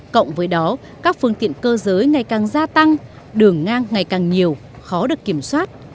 cộng với đó các phương tiện cơ giới ngày càng gia tăng đường ngang ngày càng nhiều khó được kiểm soát